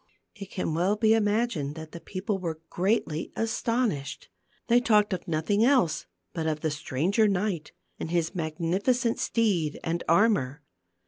It can well be imagined that the people were greatly astonished. They talked of nothing else but of the stranger knight and his magnificent steed and armor.